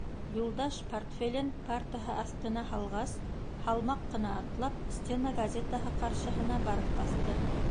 Юлдаш, портфелен партаһы аҫтына һалғас, һалмаҡ ҡына атлап, стена газетаһы ҡаршыһына барып баҫты.